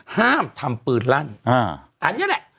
ห้ามทำปืนลั่นอันนี้แหละ